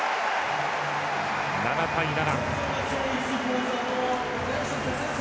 ７対７。